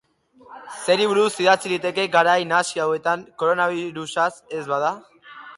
Zeri buruz idatzi liteke garai nahasi hauetan koronabirusaz ez bada?